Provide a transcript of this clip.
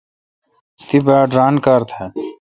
تی باڑ ران کار تھال۔